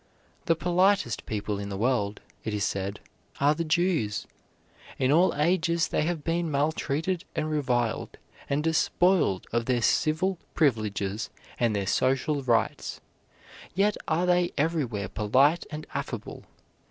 The politest people in the world, it is said, are the Jews. In all ages they have been maltreated and reviled, and despoiled of their civil privileges and their social rights; yet are they everywhere polite and affable.